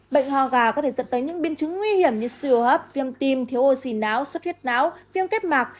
bệnh ho gà có thể dẫn tới những biến chứng nguy hiểm như siêu hấp viêm tim thiếu oxy não suất huyết não viêm kết mạc